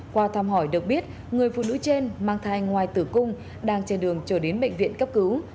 qua thăm hỏi được biết người phụ nữ trên mang thai ngoài tử cung đang trên đường trở đến bệnh viện cấp cứu